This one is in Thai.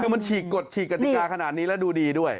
คือมันฉีกกฎฉีกกติกาขนาดนี้แล้วดูดีด้วย